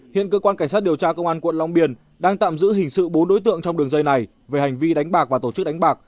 hiện cơ quan cảnh sát điều tra công an quận long biên đang tạm giữ hình sự bốn đối tượng trong đường dây này về hành vi đánh bạc và tổ chức đánh bạc